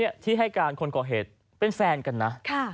ที่ให้การคนก่อเหตุเป็นแฟนกันนะ